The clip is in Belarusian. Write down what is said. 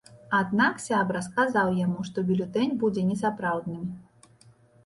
Аднак сябра сказаў яму, што бюлетэнь будзе несапраўдным.